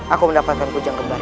aku mendapatkan hujan kembar